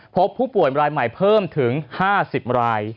พบผู้ป่วยรายใหม่เพิ่มถึง๕๐ราย